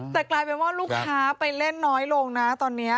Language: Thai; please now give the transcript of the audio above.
แต่กลายเป็นว่าลูกค้าไปเล่นน้อยลงนะตอนนี้